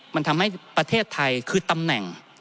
มันทำให้ประเทศไทยคือตำแหน่ง